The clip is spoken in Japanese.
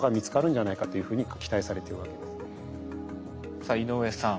さあ井上さん。